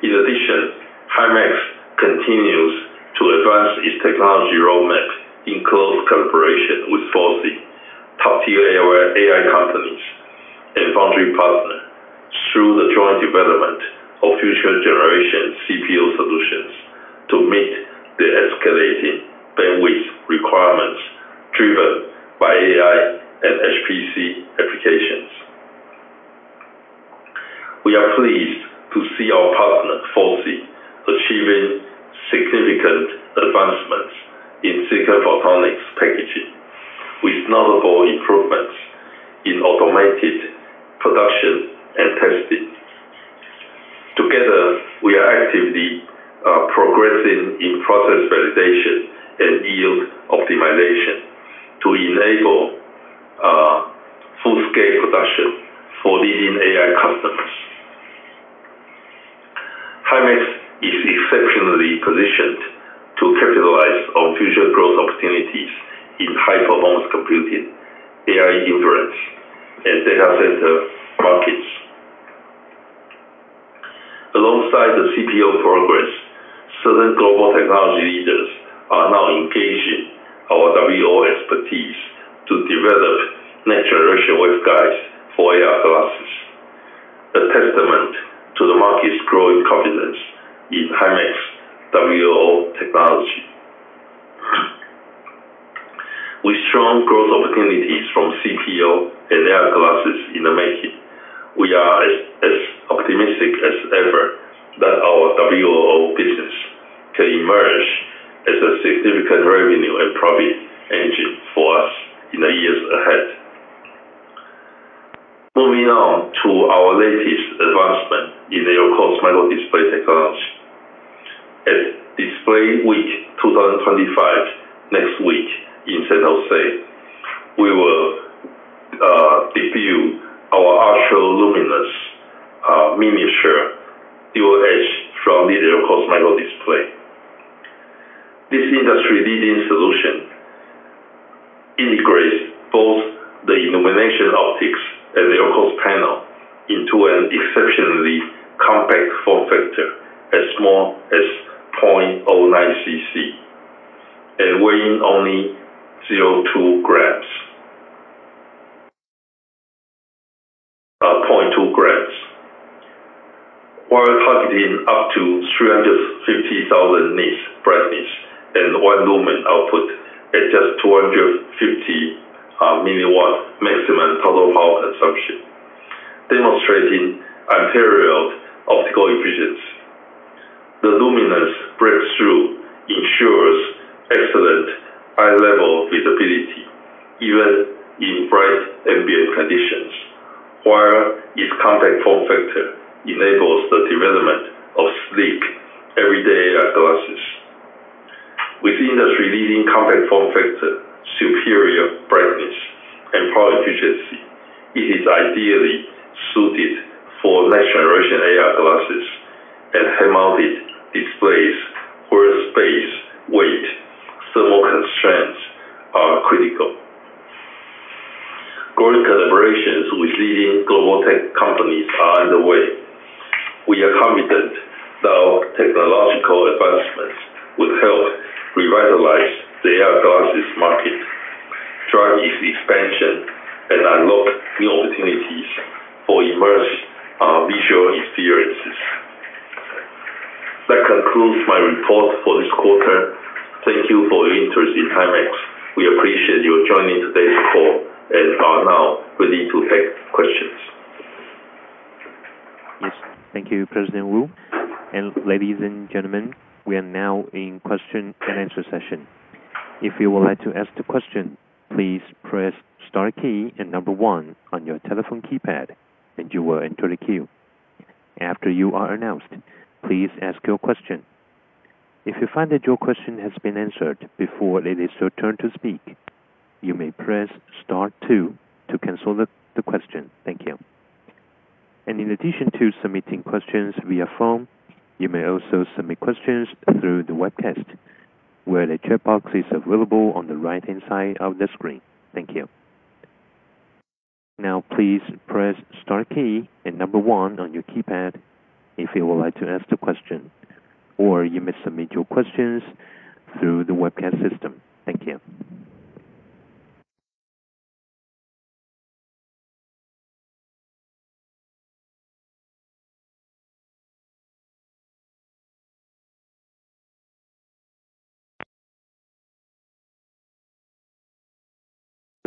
In addition, Himax continues to advance its technology roadmap in close collaboration with FOCI, top-tier AI companies and foundry partners, through the joint development of future-generation CPO solutions to meet the escalating bandwidth requirements driven by AI and HPC applications. We are pleased to see our partner, FOCI, achieving significant advancements in silicon photonics packaging, with notable improvements in automated production and testing. Together, we are actively progressing in process validation and yield optimization to enable full-scale production for leading AI customers. Himax is exceptionally positioned to capitalize on future growth opportunities in high-performance computing, AI inference, and data center markets. Alongside the CPO progress, certain global technology leaders are now engaging our WOO expertise to develop next-generation WiseEye for AI glasses, a testament to the market's growing confidence in Himax WOO technology. With strong growth opportunities from CPO and AI glasses in the making, we are as optimistic as ever that our WOO business can emerge as a significant revenue and profit engine for us in the years ahead. Moving on to our latest advancement in LCoS Microdisplay technology. At Display Week 2025 next week in San Jose, we will debut our ultra-luminous miniature Dual-Edge Front-lit LCoS Microdisplay. This industry-leading solution integrates both the illumination optics and LCoS panel into an exceptionally compact form factor as small as 0.09 cc and weighing only 0.2 grams. While targeting up to 350,000 nits brightness and 1 lumen output at just 250 mW maximum total power consumption, demonstrating unparalleled optical efficiency, the Luminous breakthrough ensures excellent eye-level visibility even in bright ambient conditions, while its compact form factor enables the development of sleek, everyday AI glasses. With industry-leading compact form factor, superior brightness, and power efficiency, it is ideally suited for next-generation AI glasses and head-mounted displays where space, weight, and thermal constraints are critical. Growing collaborations with leading global tech companies are underway. We are confident that our technological advancements would help revitalize the AI glasses market, drive its expansion, and unlock new opportunities for immersive visual experiences. That concludes my report for this quarter. Thank you for your interest in Himax. We appreciate your joining today's call and are now ready to take questions. Yes, thank you, President Wu. Ladies and gentlemen, we are now in question and answer session. If you would like to ask the question, please press star key and number one on your telephone keypad, and you will enter the queue. After you are announced, please ask your question. If you find that your question has been answered before it is your turn to speak, you may press star two to cancel the question. Thank you. In addition to submitting questions via phone, you may also submit questions through the webcast, where the chat box is available on the right-hand side of the screen. Thank you. Now, please press the star key and number one on your keypad if you would like to ask the question, or you may submit your questions through the webcast system.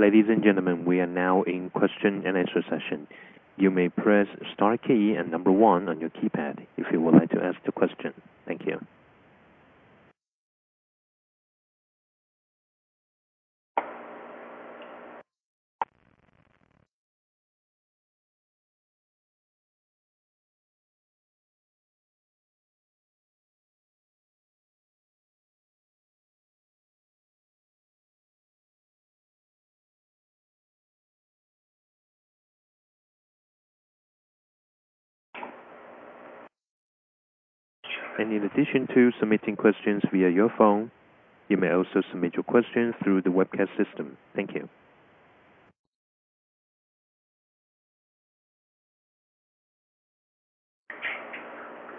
Thank you. Ladies and gentlemen, we are now in the question and answer session. You may press the star key and number one on your keypad if you would like to ask the question. Thank you. In addition to submitting questions via your phone, you may also submit your questions through the webcast system. Thank you.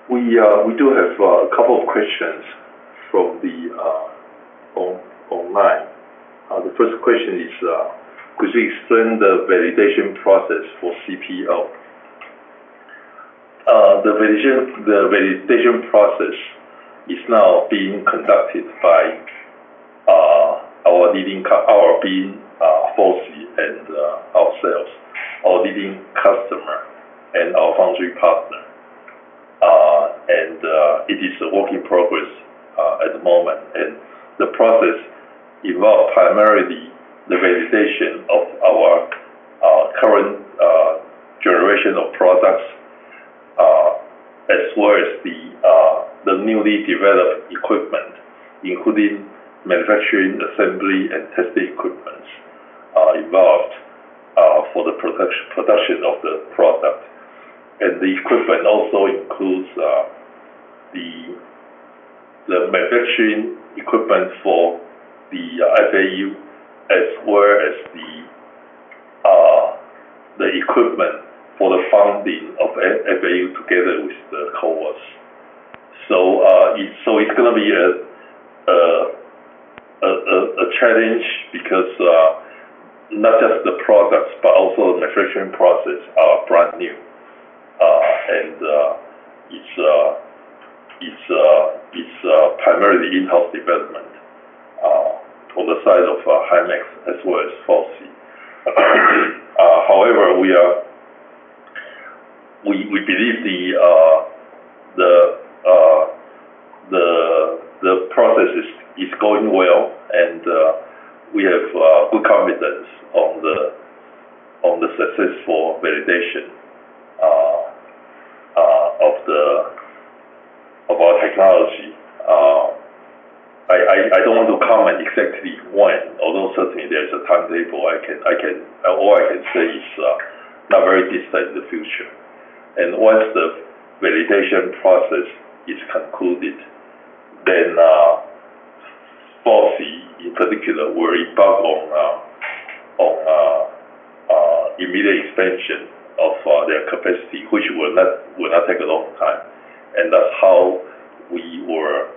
We do have a couple of questions from online. The first question is, could you explain the validation process for CPO? The validation process is now being conducted by our leading partner FOCI and ourselves, our leading customer, and our foundry partner. It is a work in progress at the moment. The process involves primarily the validation of our current generation of products as well as the newly developed equipment, including manufacturing, assembly, and testing equipment involved for the production of the product. The equipment also includes the manufacturing equipment for the FAU as well as the equipment for the founding of FAU together with the coworkers. It is going to be a challenge because not just the products but also the manufacturing process are brand new, and it is primarily in-house development on the side of Himax as well as FOCI. However, we believe the process is going well, and we have good confidence on the successful validation of our technology. I do not want to comment exactly when, although certainly there is a timetable. All I can say is not very distant in the future. Once the validation process is concluded, FOCI, in particular, will embark on immediate expansion of their capacity, which will not take a long time. That is how we will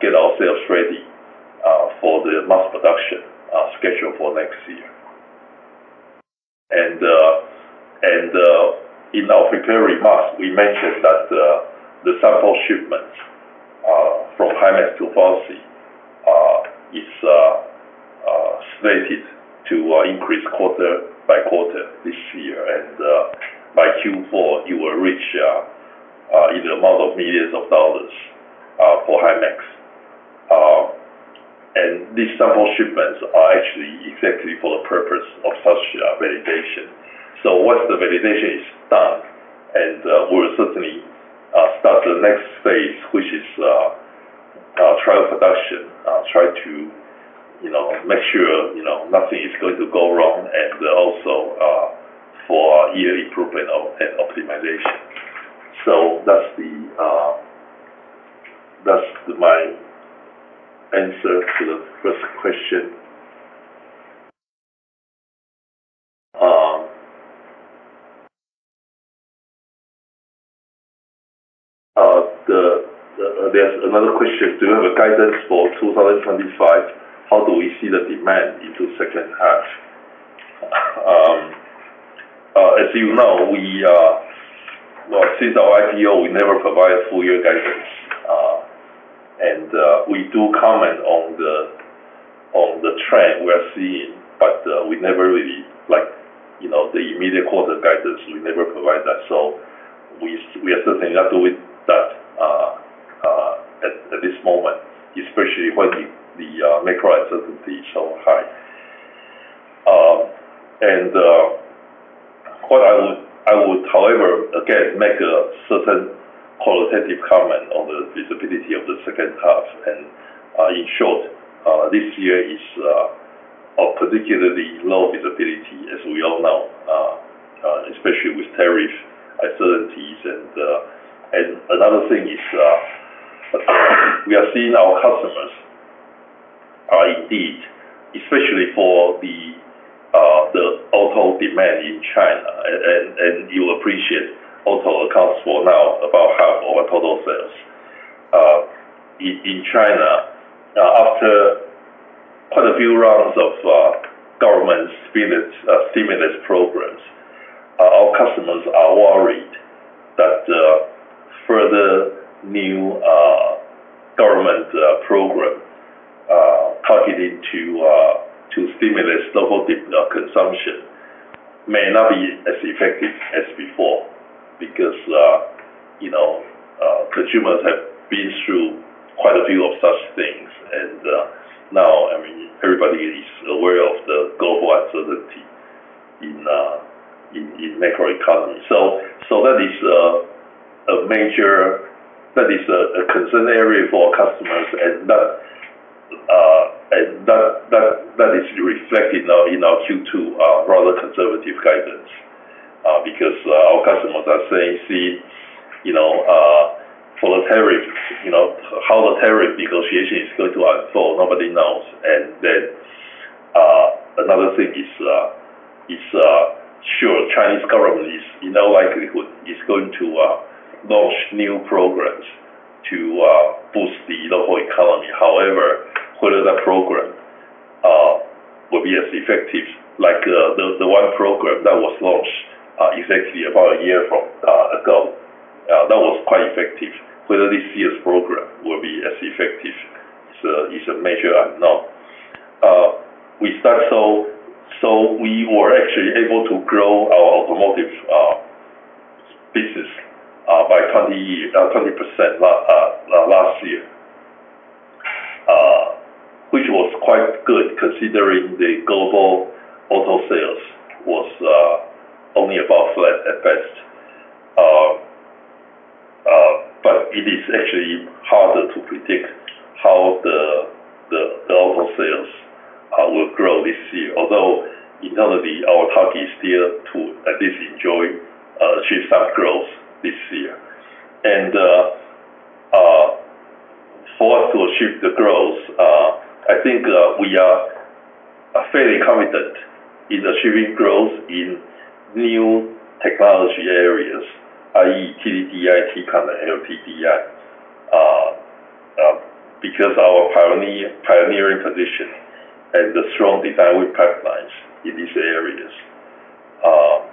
get ourselves ready for the mass production scheduled for next year. In our prepared remarks, we mentioned that the sample shipment from Himax to FOCI is slated to increase quarter by quarter this year. By Q4, it will reach in the amount of millions of dollars for Himax. These sample shipments are actually exactly for the purpose of such validation. Once the validation is done, we will certainly start the next phase, which is trial production, try to make sure nothing is going to go wrong, and also for year improvement and optimization. That is my answer to the first question. There is another question. Do you have a guidance for 2025? How do we see the demand into second half? As you know, since our IPO, we never provide full-year guidance. And we do comment on the trend we are seeing, but we never really like the immediate quarter guidance. We never provide that. We are certainly not doing that at this moment, especially when the macro uncertainty is so high. However, again, make a certain qualitative comment on the visibility of the second half. In short, this year is of particularly low visibility, as we all know, especially with tariff uncertainties. Another thing is we are seeing our customers are indeed, especially for the auto demand in China, and you will appreciate auto accounts for now about half of our total sales. In China, after quite a few rounds of government stimulus programs, our customers are worried that further new government programs targeted to stimulate local consumption may not be as effective as before because consumers have been through quite a few of such things. I mean, everybody is aware of the global uncertainty in macroeconomy. That is a concern area for our customers. That is reflected in our Q2 rather conservative guidance because our customers are saying, "See, for the tariffs, how the tariff negotiation is going to unfold, nobody knows." Another thing is, sure, Chinese government, in all likelihood, is going to launch new programs to boost the local economy. However, whether that program will be as effective like the one program that was launched exactly about a year ago, that was quite effective. Whether this year's program will be as effective is a major unknown. We start. We were actually able to grow our automotive business by 20% last year, which was quite good considering the global auto sales was only about flat at best. It is actually harder to predict how the auto sales will grow this year, although internally, our target is still to at least enjoy a shift up growth this year. For us to achieve the growth, I think we are fairly confident in achieving growth in new technology areas, i.e. TDDI, TCON, and LTDI, because of our pioneering position and the strong design pipelines in these areas.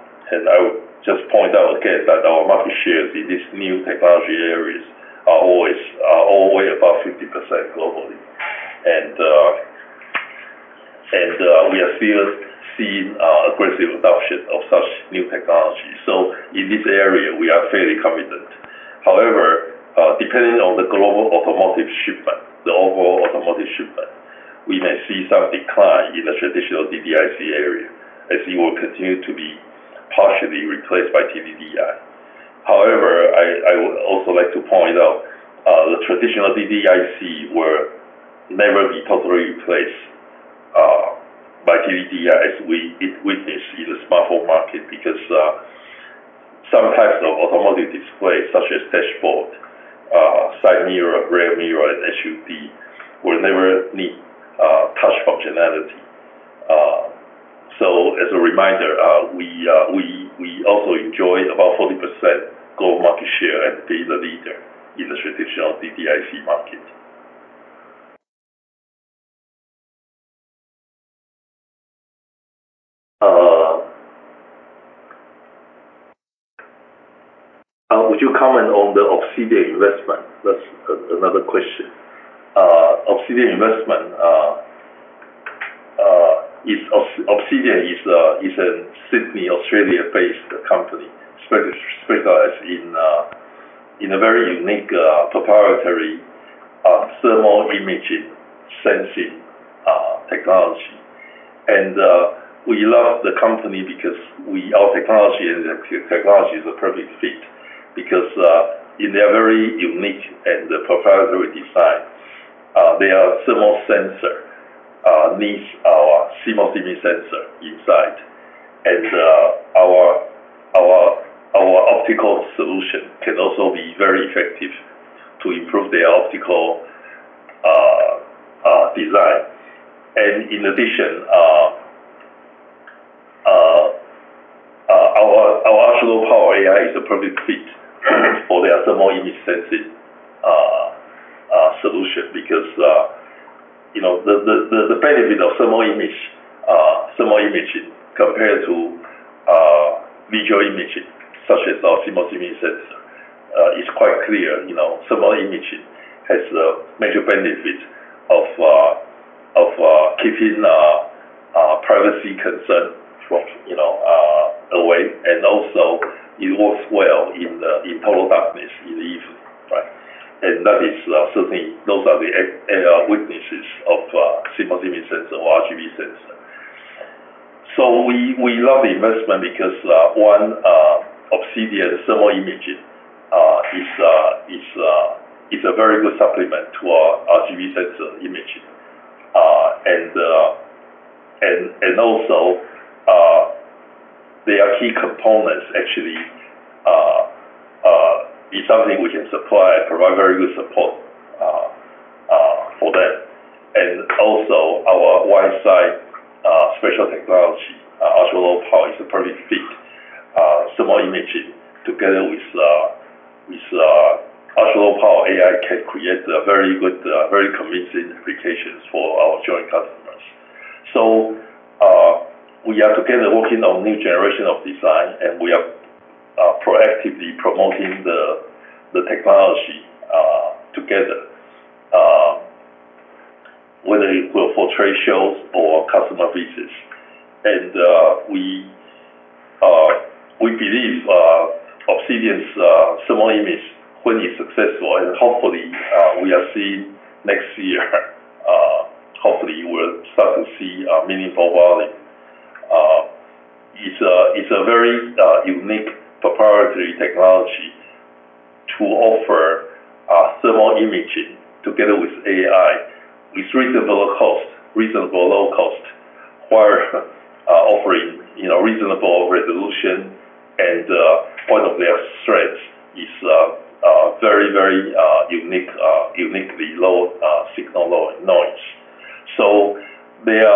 I would just point out again that our market shares in these new technology areas are all way above 50% globally. We are still seeing aggressive adoption of such new technology. In this area, we are fairly confident. However, depending on the global automotive shipment, the overall automotive shipment, we may see some decline in the traditional DDIC area, as it will continue to be partially replaced by TDDI. However, I would also like to point out the traditional DDIC will never be totally replaced by TDDI as we witness in the smartphone market because some types of automotive displays such as dashboard, side mirror, rear mirror, and SUV will never need touch functionality. As a reminder, we also enjoy about 40% gold market share and be the leader in the traditional DDIC market. Would you comment on the Obsidian investment? That's another question. Obsidian investment is Obsidian is a Sydney, Australia-based company specialized in a very unique proprietary thermal imaging sensing technology. We love the company because our technology is a perfect fit. In their very unique and proprietary design, their thermal sensor needs our CMOS image sensor inside. Our optical solution can also be very effective to improve their optical design. In addition, our actual power AI is a perfect fit for their thermal image sensing solution because the benefit of thermal imaging compared to visual imaging such as our thermal image sensor is quite clear. Thermal imaging has the major benefit of keeping privacy concerns away. It also works well in total darkness easily. Those are certainly the weaknesses of CMOS image sensor or RGB sensor. We love the investment because, one, Obsidian's thermal imaging is a very good supplement to our RGB sensor imaging. Their key components actually is something we can supply and provide very good support for them. Our Wi-Fi special technology, actual low power, is a perfect fit. Thermal imaging together with actual low power AI can create very good, very convincing applications for our joint customers. We are together working on new generation of design, and we are proactively promoting the technology together, whether it will for trade shows or customer visits. We believe Obsidian's thermal image, when it's successful, and hopefully, we are seeing next year, hopefully, we will start to see meaningful volume. It's a very unique proprietary technology to offer thermal imaging together with AI with reasonable cost, reasonable low cost, while offering reasonable resolution. One of their strengths is very, very uniquely low signal noise. Their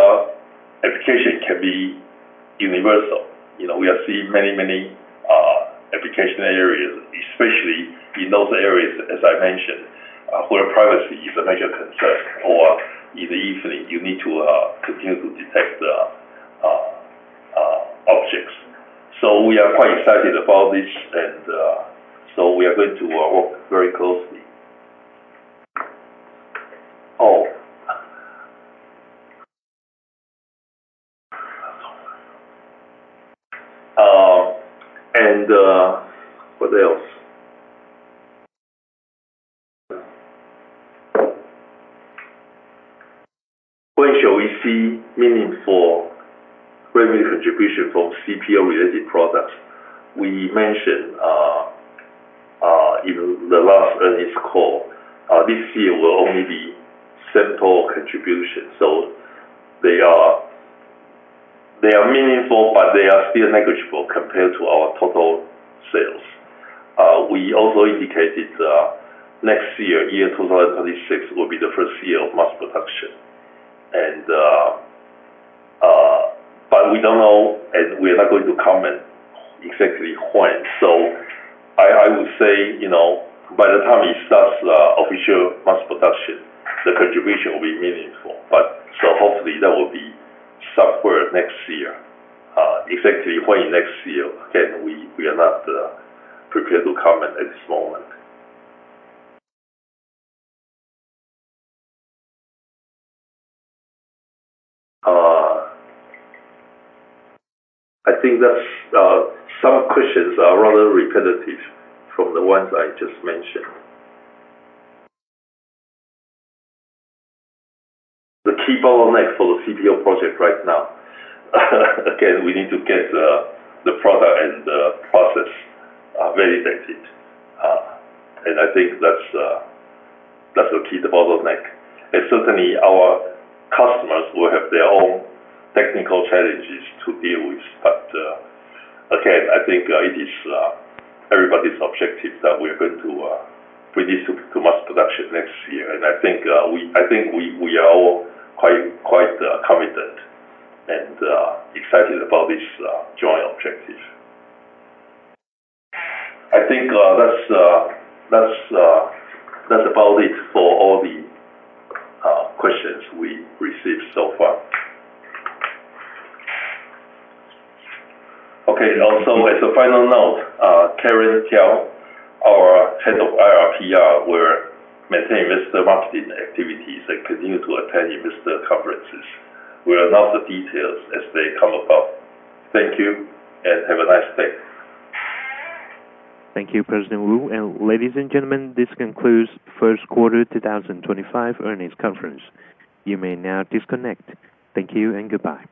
application can be universal. We are seeing many, many application areas, especially in those areas, as I mentioned, where privacy is a major concern or in the evening, you need to continue to detect objects. We are quite excited about this, and we are going to work very closely. Oh. What else? When shall we see meaningful revenue contribution from CPO-related products? We mentioned in the last earnings call, this year will only be simple contributions. They are meaningful, but they are still negligible compared to our total sales. We also indicated next year, year 2026, will be the first year of mass production. We do not know, and we are not going to comment exactly when. I would say by the time it starts official mass production, the contribution will be meaningful. Hopefully, that will be somewhere next year. Exactly when next year, again, we are not prepared to comment at this moment. I think that some questions are rather repetitive from the ones I just mentioned. The key bottleneck for the CPO project right now, again, we need to get the product and the process very detected. I think that is the key bottleneck. Certainly, our customers will have their own technical challenges to deal with. Again, I think it is everybody's objective that we are going to release to mass production next year. I think we are all quite confident and excited about this joint objective. I think that is about it for all the questions we received so far. Okay. Also, as a final note, Karen Tiao, our Head of IR/PR, will maintain investor marketing activities and continue to attend investor conferences. We will announce the details as they come about. Thank you and have a nice day. Thank you, President Wu. Ladies and gentlemen, this concludes First Quarter 2025 Earnings Conference. You may now disconnect. Thank you and goodbye.